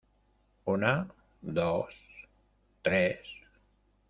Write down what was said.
una, dos , tres.